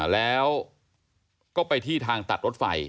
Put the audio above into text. แล้วก็ไปที่ทางตัดรถไฟ